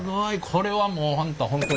これはもう本当